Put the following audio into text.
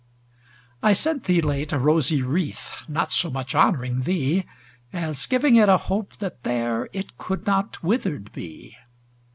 I sent thee, late, a rosy wreath, Not so much honouring thee, As giving it a hope, that there It could not withered be.